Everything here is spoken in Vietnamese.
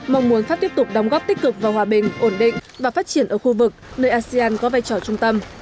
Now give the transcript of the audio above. mong muốn pháp tiếp tục đóng góp tích cực vào hòa bình ổn định và phát triển ở khu vực nơi asean có vai trò trung tâm